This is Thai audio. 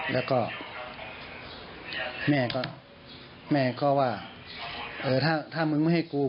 แล้วก็แม่ก็แม่ก็ว่าถ้ามึงไม่ให้กู